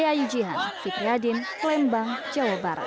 dea yujian fitri adin lembang jawa barat